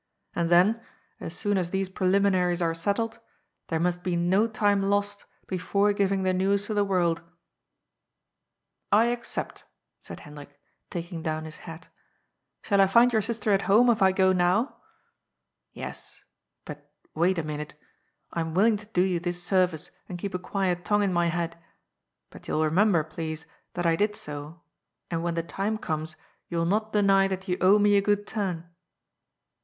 And then, as soon as THE MARRIAGE LOTTERY. 161 these preliminaries are settled, there must be no time lost before giving the news to the world/* '' I accept," said Hendrik, taking down his hai *' Shall I find your sister at home if I go now ?"" Yes, but wait a minute. I'm willing to do you this service and keep a quiet tongue in my head. But you'll remember, please, that I did so, and when the time comes, you'll not deny that you owe me a good turn